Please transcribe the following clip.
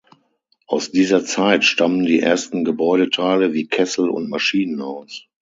Aus dieser Zeit stammen die ersten Gebäudeteile, wie Kessel- und Maschinenhaus.